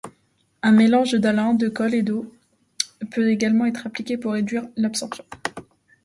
Un mélange d'alun, de colle et d'eau peut également être appliqué pour réduire l'absorption.